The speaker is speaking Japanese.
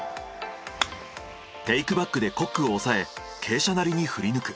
テイクバックでコックを抑え傾斜なりに振り抜く。